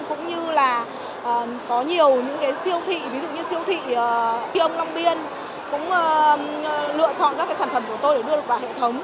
cũng như là có nhiều những cái siêu thị ví dụ như siêu thị iong long biên cũng lựa chọn các cái sản phẩm của tôi để đưa được vào hệ thống